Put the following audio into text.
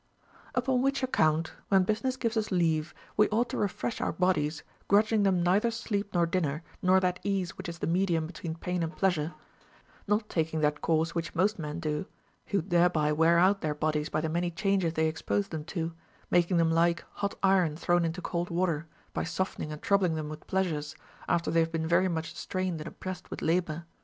25. Upon which account, Avhen business gives us leave, we ought to refresh our bodies, grudging them neither sleep nor dinner nor that ease which is the medium be tween pain and pleasure ; not taking that course which most men do, who thereby wear out their bodies by the many changes they expose them to, making them like hot iron thrown into cold Λvater, by softening and troubling them Λvith pleasures, after they have been very much strained and oppressed Λvith labor.